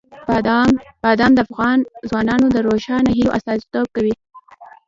بادام د افغان ځوانانو د روښانه هیلو استازیتوب کوي.